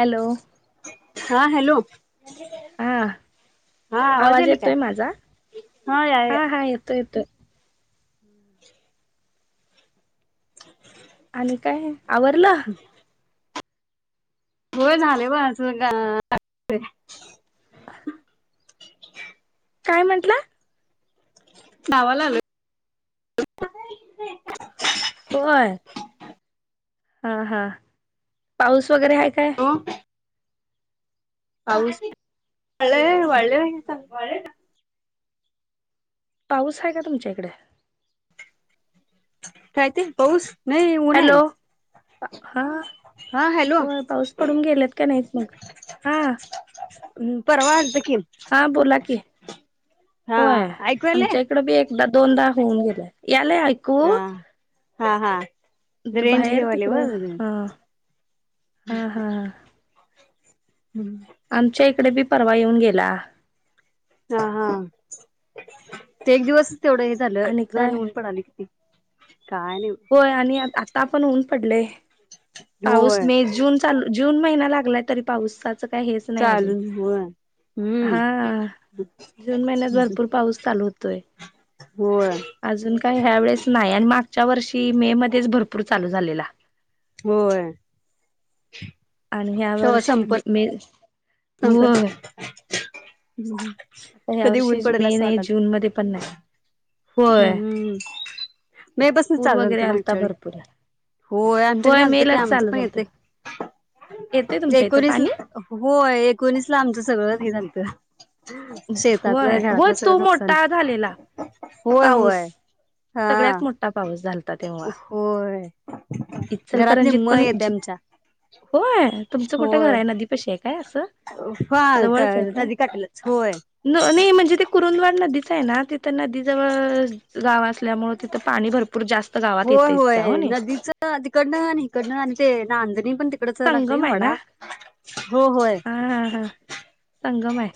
Hello हा hello हा हा आवाज यायलंय काय येतोय माझा होा या हा हा येतोय येतोय आणि काय आवरला [unintelligible] हो झाले ब अस का बर [unintelligible] काय म्हंटलं नाावाला आलोय ग [unintelligible] हो हा हा पाऊस वगैरे आहे काय हो पाऊस वाळे वाळे काय पाऊस आहे का तुमच्या इकडे काय ते पाऊस नाही ऊन आहे हॅलो हा हा हॅलो होय पाऊस पडून गेलेत का नाहीत मग हा ह् परवा आलेत कि म हा बोला की हा होय ऐकू यायलय आमच्या तडे बी एकदा दोनदा होऊन गेले याला हो हा हा हा रेंज हे बाहेर व्हायलय व तिकडं हा हा हा हा हम्म आमच्या इकडे बी परवा येऊन गेला हा हा ते एक दिवसच तेवढं हे आणि काय झालंहऊन पडली किती काय नहीं होय आणि आता पण ऊन पडलेय पाऊस होय मे जून चालू जून महिना लागलाय तरी पाऊसाच काही हेच नाही अजून चालून होय हम्म हा जून महिन्यात भरपूर पाऊस चालू होतोय होय अजून काय ह्या वेळेस नाही आणि मागच्या वर्षी मे मध्येच भरपूर चालू झालेला हो आणि ह्या वर्षी मे हो का होय आता ह्या कधी ऊन वर्षी पडला मे स् नाही वागत जून मध्ये पण नाही हम्म होय हम्म मी बसून पूर चालूल वगैरे तु आलता माझच्याळी भरपूर होय आमच्याकडे आलत की मेलाच आमचं चालू पण झालत येते येतय तुमच्या इथं एकोणीस पाणी होय एकोणीसला आमचं सगळं हे झालतं होय शेतातलं होय घरातलं सगळं तो नुकसान मोठा झालेला होय पाऊस होय हा सगळ्यात मोठा पाऊस झालता तेव्हा होय घरातली इचलकरंजीत मय पण आहे त्यांच्या होय तुमचं कुठं घर आहे नदी पशी आहे काय असं फा का जवळच आहे काय? नदी काटलाच होय नाही म्हणजे ते कुरुंदवाड नदीच आहे ना ते तर नदी जवळ गावा मुळे तिथं पाणी भरपूर जास्त.... होय येतेच होय त्या हो नाही. नदीच तीकडनं आणि इकडनं आणि ते नांदणी पण..... इकडच लागतय संगम आहे ना वडा हो होय... हा हा हा संगम आहे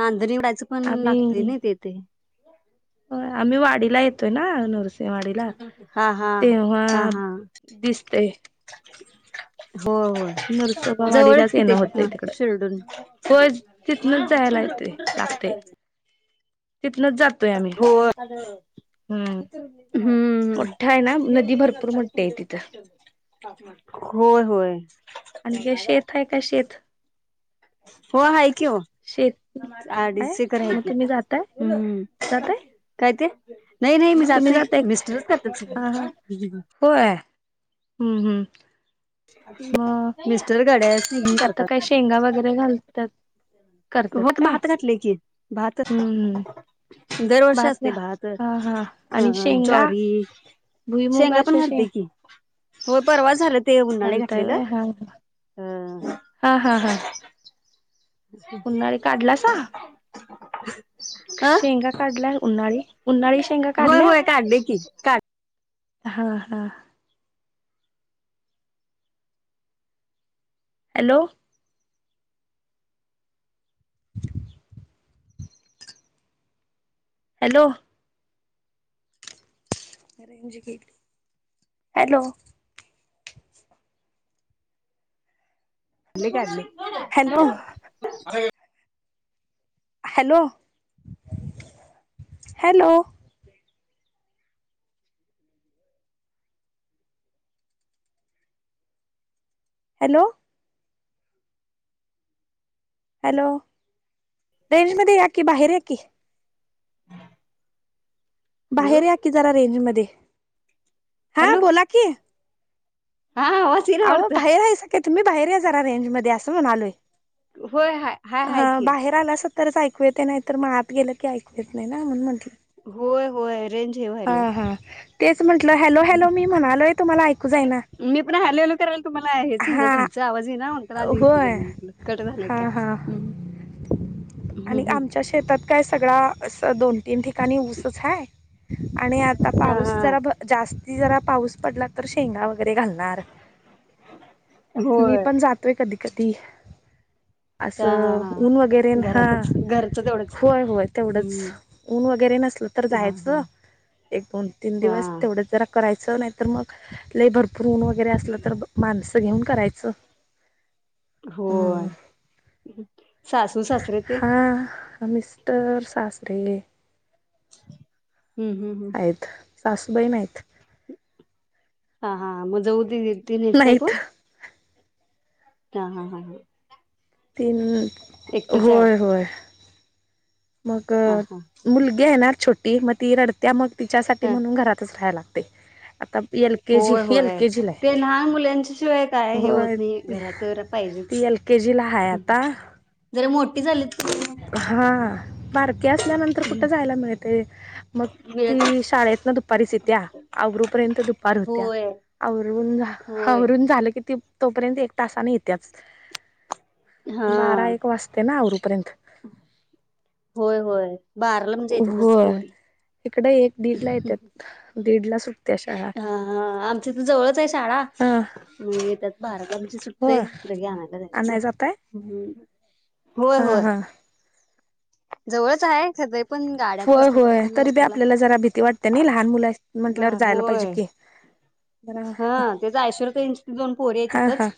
नाधणी वयचं पण लागतय नाही तेथे... हो आम्ही वाडीला येतोय ना नरस... शवाडीला हा हा तेव्हा दिसते... हो हो नरसोबा जवळच वाडीलाच येणं किती होतंय तन तिकडं शिर्डून.. होय तिथनच जायला येते लागते... तिनंच जात... हो हम्म... मोठा आहे ना नदी भरपूर मोठी आहे तिथं हम् होय होय आणि शेत आहे का शेत... हो आहे की हो..... शेती अडीेच एक्कर आहे मग तुम्ही जाताय जाताय की.... काय ते नाही नाही मी जात तुम्ही नाही जाताय मिस्टरच करतात हा हा सग होय हम् हम्म... मग मिस्टर गड्या सिंगिंग आता काय करतात... शेंगा वगैरे घालतात करतात होत काय भात घातले की भात हम्म हम्म दरवर्ष घा असते भात.. हा हा आणि अं शेंगा जॉरी शिंगा भुईमुगाच्या पण शे करते की... हो परवा झालं ते उन्हाळे घालताय घातलेलं व्हय हा अ.. हा हा हा... उन्हाळी [unintelligible] काढलासा अं शेंगा काढल्या उन्हाळी उन्हाळी शेंगा होय काढल्या होय काट दे की काट... हा हा... हॅलो.... हॅलो.... अरेंज केली हॅलो... अ काली... hello hello hello.... hello... hello range मध्ये या की बाहेर या की... हॅलो बाहेर या की जरा रेंज मध्ये हा हॅलो बोला की... हा... येईना अह वाटतं बाहेर आहे स का तुम्ही बाहेर या जरा रेंज मध्ये असं म्हणालोय... होय हाय.. हाय हा हाय की बाहेर आला स तरच ऐकू येत नाही तर मग आत गेलं की ऐकू येत नाही ना म्हण म्हंटलं... होय होय रेंज हे हा व्हायलय हा तेच म्हंटलं हॅलो हॅलो मी म्हणालोय तुम्हाला ऐकू जाय ना... मी पण हॅलो हॅलो करायल तुम्हाला हेच हो ना तुमचा आवाज ह ना म्हण आली होय कट झालेय हा काय... हा हम् हम् आणि हम्म.... आमच्या शेतात काय सगळा असं दोन तीन ठिकाणी ऊसच आहे... आणि आता... हा हा... जरा जास्ती जरा पाऊस पडला तर शेंगा वगैरे घालणार... मी होय पण जातोय कधी कधी... हा हा असं हा ऊन वगैरे हा घरातच घरचं तेवढंच होय होय तेवढंच.... हम्म ऊन वगैरे नसल तर हा हा जायचं.. एक दोन तीन हा दिवस तेवढं जरा करायचं नाही तर मग लय भरपूर.... फरुण वगैरे असलं तर माणसं घेऊन करायचं... होय हम्म. सासू सासरे ते.... हमि तर सासरे आहे. हम् हम्. सासूबाइ नाईत. हा हा मग जाऊ त ती नत काय नाहीत कोण? ह हा हा हां. तीन एकटंच आहे होय वाटतं होय. मग हा मुलगी येणार छोटी मग ती रडत्या मग तिच्यासाठी हा म्हणून घरातच राहायला. ते आता. एल के जी होय एल होय के जीला ते लहान मुलांच्या शिवाय काय हे होत होय. नाही घरात तर ती पाहिजेच. एल के जीला हाय आता. जरा मोठी झाली तर काय हा वाटत नाही बारकीे असल्यानंतर कुठं जायला मिळते. मग मिळत ती शाळेत ना दुपारीच येत्या आवरपर्यंत दुपार होत्या होय आवरून होय. आवरून झालं की तोपर्यंत एक तासाने येत्याच बारा हा एक वाजते ना आवरूपर्यंत. होय होय बाराला म्हणजे येतातच होय पोरी इकड एक दीड ला येत दीडला सुट हा हा आमच्या तर जवळच आहे शाळा. हा बारावीची सुटते होय लगेच, आणायला जायचं आणाय जाताय? ह होय हा होय हा. जवळच आहे स पण गाड्यात होय असतात होय म्हणज ना तरी बी रस्त्याला आपल्याला जरा भीती वाटते नाही लहान मुलं आहेत ब म्हटल्यावर जायला पाहिजे होय की. जरा हा तेच ऐश्वर्या ताईंचे दोन पोरी आहे हा हा तिथंच,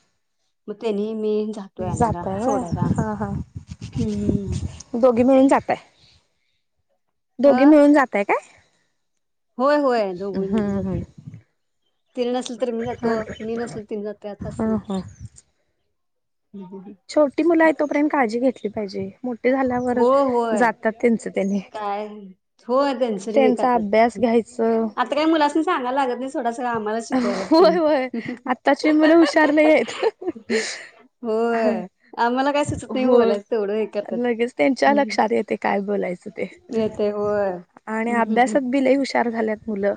मग त्यांनी मी जा तो जाताय होय सोडा का हा हा हम्म दोघी मिळून जातय, दोघी अ मिळून जातय काय? होय होय दोघ मिळून हम्म जाते. हम्म. तिने नसल तर मी जातो हा मी नसल तिने जातो आता हा असल हा. ह ह. छोटी मुलं आहे तोपर्यंत काळजी घेतली पाहिजे, मोठे झाल्यावर हो होय जातात त्यांच त्याने होय त्यांचं तरी ते त्यांचा अभ्यास घ्यायचं येतात काही मुलांनीसनी सांगयला लागत नाही सोडा आम्हाला शिकवायला होय लागतील होय आत्ताची मुलं हुशार लई त होय आम्हाला काय सुचत नाही हो बोलायच तेवढं हे करतात लगेच त्यांच्या लक्षात येते काय बोलायचं ते येते होय आणि अभ्यासात बि लइ हुशार झाल्यात मुलं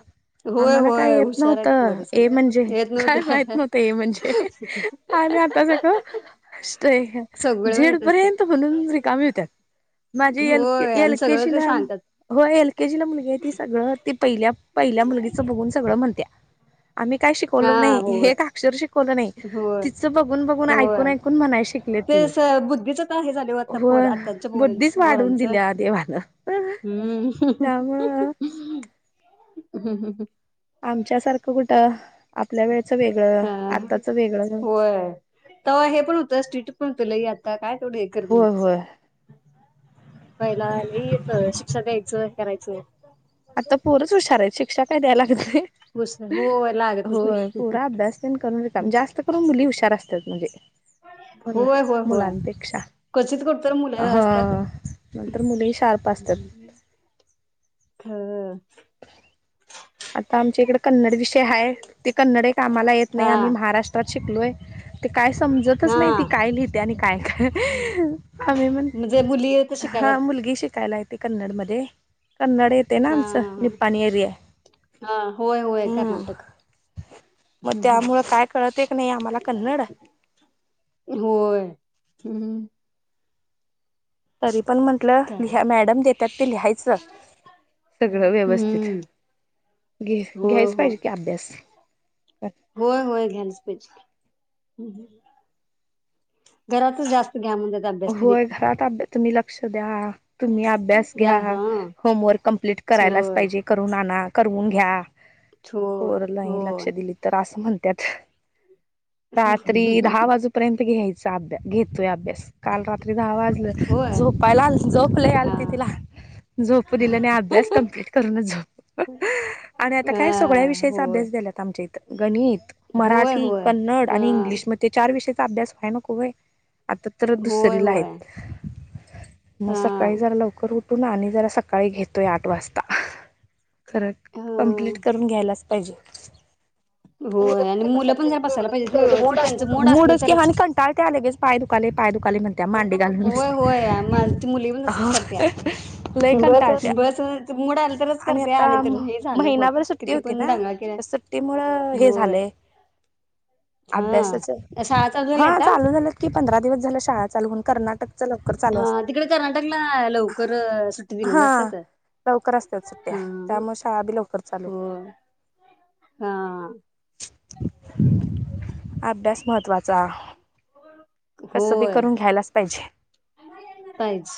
होय आम्हाला काय होय येत हुशार नव्हत आहेत पोरं ए सगळी म्हणजे येत काय माहित नव्हतं ए म्हणजे आणि आता सगंळ सगळं माहित असते झेडपर्यंत म्हणून रिकामी होत्यात. माझी एलके होय आणि सगळं ते एलकेजीला सांगतात हो एल के जी ला मुलगी आहे, ती सगळं ती पहिल्या पहिल्या मुलगीचं बघून सगळं म्हणते्या आम्ही काय हा शिकवलो नाही हे होय एक अक्षर शिकवलं नाही. होय तिचं बघून बघून ऐकून होय ऐकून म्हणाय शिकलेत. ते बुद्धीच वीकास हे झाले हो आता पोर आताच्या पोरांच बुद्धीच वाढवून पोरांचं दिल्या देवानं हम्म त्यामुळं ह. आमच्या सारखं कुठं आपल्या वेळेचं वेगळं हा आताचं वेगळं तेव्हा हे पण होतं स्ट्रीक्त पण होत लई आता काय तेवढं हे करत नाही. होय होय पहिला येत शिक्षा द्यायचं करायचं. आता पोरच हुशार आहे शिक्षा काय द्यायला लागते घुस होय लागतच होय नाही पोरा अभ्यास करून रिकामं जास्त करून मुली हुशार असत्यात म्हणजे होय होय होय मुलांपेक्षा क्वचित कुठतर मुलं हा असतात नंतर मुली शार्प असतात हा. आता आमच्या इकडे कन्नड विषय आहे ते कन्नड कामाला येत हा नाही आम्ही महाराष्ट्रात शिकलोय. ते काय समजतच नाही ती हा काय लिहिते आणि काय का आम्ही म्हण म्हणजे मुली येत हा शिकायलात मुलगी शिकायला येते कन्नड मध्ये, कन्नड येते ना हा आमचं निप्पाणी एरिया हा होय होय हम्म कर्नाटक. मग त्यामुळं काय कळत एक नाही आम्हाला कन्नड. होय हम्. तरी पण म्हटलं काय लिहा मॅडम देतात ते लिहायचं सगळं व्यवस्थित हम्म घे होय घ्यायच होय पाहिजे की अभ्यास अ होय होय घ्यालच पाहिजे. घरातच जास्त घ्या म्हण जात होय घरात अभ्या तुम्ही लक्ष द्या तुम्ही अभ्यास द्या घ्या. हा होमवर्क कमप्लीट होय करायलाच होय पाहिजे करून आणा करून घ्या. होरला अ लक्ष होय दिली तर असं म्हणत रात्री दहा वाजू र्यंत घ्यायचा अभ्या घेतोय अभ्यास काल रात्री दहा वाजे होय झोपायला झोपलं हा आलती तिला. झोप दिलं नाही अभ्यास कमप्लीट करूनच झोप आणि आता काय सगळ्या अ विषयाचा होय अभ्यास झालात आम इत गणित होय मराठी होय कन्नड हा आणि इंग्लिशमध्ये ते चार विषयाचा अभ्यास व्हाय नको व आता तर होय दुसरीला होय आहेत. मग हा सकाळी जरा लवकर उठून ना आणि जरा सकाळी घेतोय आठ वाजता खरं अ कम्प्लीट करून घ्यायलाच पाहिजे. होय आणि मुलं पण जरा बसायला पाहिजेत व्यवस्थित त्यांचं मूड मुड असलं च् की तरच आणि काय. त त्या्यालेेच पाय दुकाले पाय दुकाले म्हत्या मांडे लय होय होय माझ ती मुलगी पण तसच करत्या कंटाळतीया. बस मूड आलं तरच आणि करत्या आता नाहीतर हे झालं मग महिनाभर सुट्टी किती होती पण ना दंगा केला त्या सुट्टी मुळ हे होय झालंय. अभ्यासाच हा शाळा चालू झाल्या हा आता चालू झालं. की पंधरा दिवस झालं शाळा चालू होून कर्नाटक कर. हा तिकडे कर्नाटकला लवकर सुट्टी हा दिलेल्या असतात. लवकर असत्या सुट्ट्या हा त्यामुळे शाळा बी लवकर चालू हो हा. अभ्यास महत्वाचा कसं बी करून घ्यायलाच पाहिजे. काच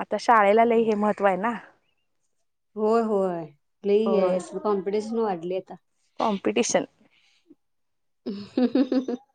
आता शाळेला हे महत्व आहे ना. होय होय ल हो आहे कॉम्पिटिशन वाढली आता कॉम्पिटिशन [inaudible]